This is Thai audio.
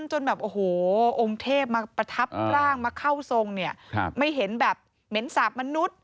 จนแบบโอ้โหองค์เทพมาประทับร่างมาเข้าทรงเนี่ยไม่เห็นแบบเหม็นสาปมนุษย์